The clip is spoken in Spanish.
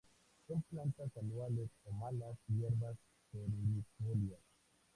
Son plantas anuales o malas hierbas perennifolias.